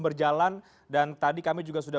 berjalan dan tadi kami juga sudah